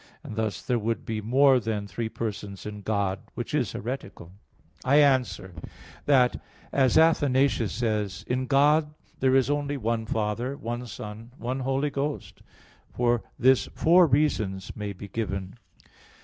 And thus there would be more than three Persons in God; which is heretical. I answer that, As Athanasius says, in God there is only "one Father, one Son, one Holy Ghost." For this four reasons may be given.